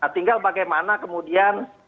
tinggal bagaimana kemudian